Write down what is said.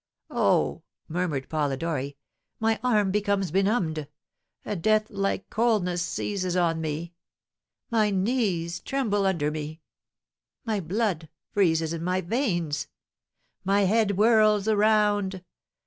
"Oh," murmured Polidori, "my arm becomes benumbed a deathlike coldness seizes on me my knees tremble under me my blood freezes in my veins my head whirls around.